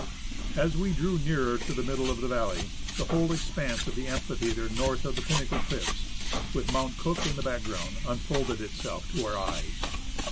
As we drew nearer to the middle of the valley, the whole expanse of the amphitheatre north of the Pinnacle Cliff's, with Mount Cook in the background, unfolded itself to our eyes.